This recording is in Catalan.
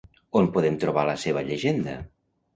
On podem trobar la seva llegenda?